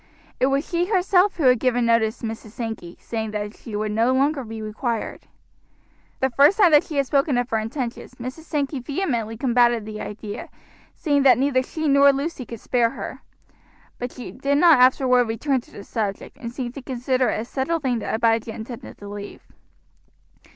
It was she herself who had given notice to Mrs. Sankey, saying that she would no longer be required. The first time that she had spoken of her intentions, Mrs. Sankey vehemently combated the idea, saying that neither she nor Lucy could spare her; but she did not afterward return to the subject, and seemed to consider it a settled thing that Abijah intended to leave.